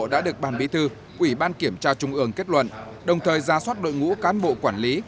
đã được ban bí thư ủy ban kiểm tra trung ương kết luận đồng thời ra soát đội ngũ cán bộ quản lý